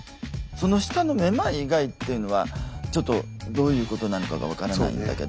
その下のめまい以外っていうのはちょっとどういうことなのかが分からないんだけど。